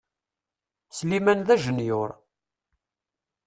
Sliman d ajenyur.